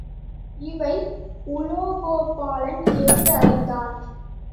இவை உலோகபாலன் கேட்டு அறிந்தான்.